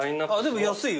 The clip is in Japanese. でも安いよ